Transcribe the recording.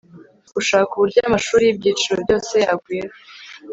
gushaka uburyo amashuri y'ibyiciro byose yagwira